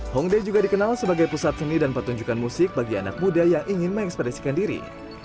hongdai juga dikenal sebagai pusat seni dan pertunjukan musik bagi anak muda yang ingin mengekspresikan diri